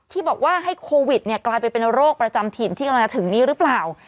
ที่บอกว่าให้โควิดกลายเป็นโรคประจำถิ่นที่กำลังจะถึงนี้หรือเปล่า